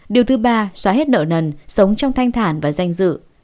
điều thứ ba xóa hết nợ nần sống trong thanh thản và danh dự